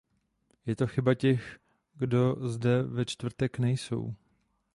Je to chyba těch, kdo zde ve čtvrtek nejsou.